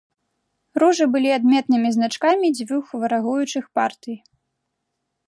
Ружы былі адметнымі значкамі дзвюх варагуючых партый.